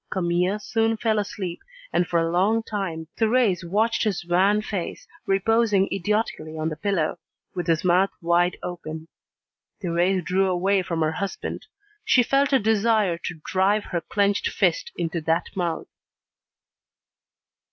Camille soon fell asleep, and for a long time Thérèse watched his wan face reposing idiotically on the pillow, with his mouth wide open. Thérèse drew away from her husband. She felt a desire to drive her clenched fist into that mouth.